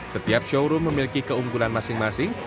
setiap showroom memiliki keunggulan masing masing